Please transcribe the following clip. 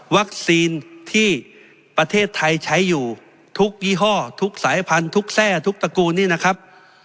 ที่ประเทศไทยใช้อยู่ทุกยี่ห้อทุกสายพันธุ์แทร่ทุกตระกูลนี้นะครับ